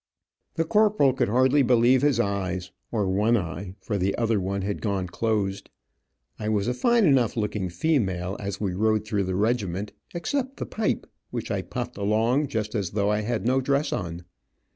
The corporal could hardly believe his eyes, or one eye, for the other one had gone closed. I was a fine enough looking female as we rode through the regiment, except the pipe, which I puffed along just as though I had no dress on.